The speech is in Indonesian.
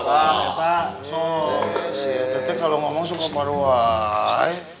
tetep kalau ngomong suka paruai